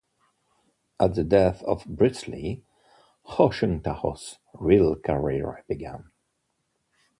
At the death of Bruce Lee, Ho Chung-tao's real career began.